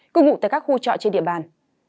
cung vụ tại các khu trọ trên địa bàn